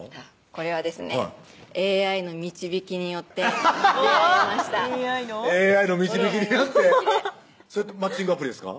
これはですねＡＩの導きによって出会いましたＡＩのＡＩの導きによってそれってマッチングアプリですか？